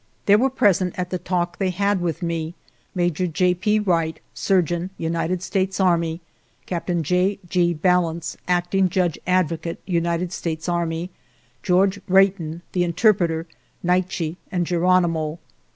" There were present at the talk they had with me Major J. P. Wright, surgeon, United States Army; Captain J. G. Bal lance, acting Judge advocate, United States Army; George Wratton, 1 the interpreter; Naiche, and Geronimo.